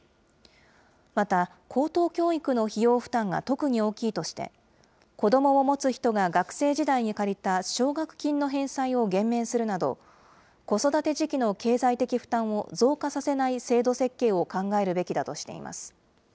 また、高等教育の費用負担が特に大きいとして、子どもを持つ人が学生時代に借りた奨学金の返済を減免するなど、子育て時期の経済的負担を増加させない制度設計を考えるべきだとしています。